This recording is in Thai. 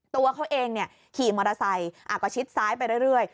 ตัวเขาเองขี่มอเตอร์ไซค์ก็ชิดซ้ายไปเรื่อย